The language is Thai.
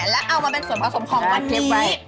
และเอามาเป็นส่วนผสมของมันเกล้